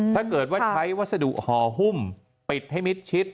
ถ้าเกิดว่าใช้วัสดุห่อหุ้มปิดให้มิดชิด